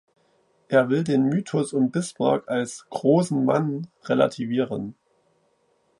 Er will den Mythos um Bismarck als „großen Mann“ relativieren.